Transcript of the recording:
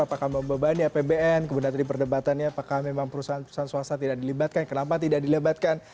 apakah membebani apbn kemudian tadi perdebatannya apakah memang perusahaan perusahaan swasta tidak dilibatkan kenapa tidak dilebatkan